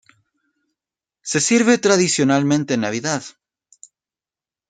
Se sirve tradicionalmente en Navidad.